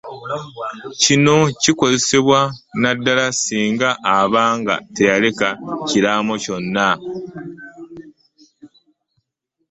Kino kikolebwa naddala singa aba nga teyaleka kiraamo kyonna.